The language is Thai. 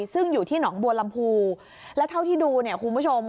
ซึ่งอยู่ที่หนองบัวลำภูร์และเท่าที่ดูคุณผู้ชม